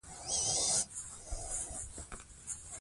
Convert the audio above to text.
ډېر پروسس شوي خواړه چاغښت ته وده ورکوي.